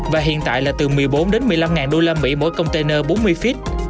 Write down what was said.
và hiện tại là từ một mươi bốn một mươi năm usd mỗi container bốn mươi feet